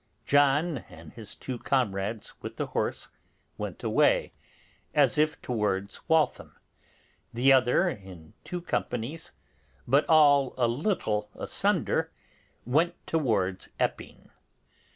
John and his two comrades, with the horse, went away, as if towards Waltham; the other in two companies, but all a little asunder, and went towards Epping.